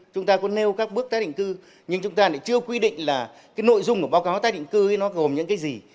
chúng ta có nêu các bước tác định cư nhưng chúng ta lại chưa quy định nội dung của báo cáo tác định cư gồm những gì